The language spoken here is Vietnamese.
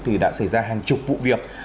thì đã xảy ra hàng chục vụ việc